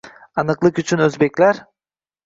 Aniqlik uchun: o'zbeklar